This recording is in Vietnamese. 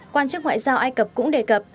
quan chức ngoại giao ai cập cũng đề cập